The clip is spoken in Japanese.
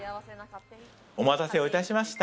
お待たせいたしました。